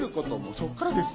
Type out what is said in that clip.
そこからです。